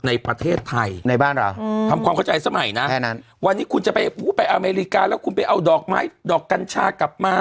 ในประเทศไทยในบ้านเรา